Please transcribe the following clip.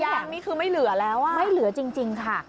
อย่างนี้คือไม่เหลือแล้วไม่เหลือจริงค่ะ